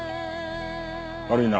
悪いな。